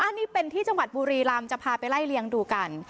อันนี้เป็นที่จังหวัดบุรีรำจะพาไปไล่เลี้ยงดูกัน